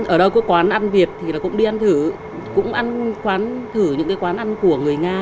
ở đâu có quán ăn việt thì cũng đi ăn thử cũng ăn quán thử những cái quán ăn của người nga